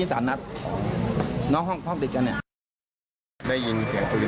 กี่นัดนะก็ยิงไป